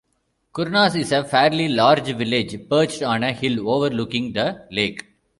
Kournas is a fairly large village perched on a hill overlooking the lake.